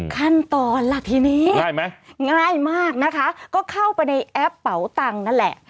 ขั้นตอนหลักทีนี้ง่ายมากนะคะก็เข้าไปในแอปเป๋าตังนะแหละ